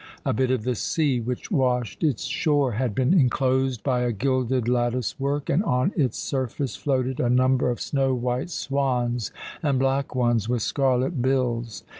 A bit of the sea which washed its shore had been enclosed by a gilded latticework, and on its surface floated a number of snow white swans and black ones with scarlet bills.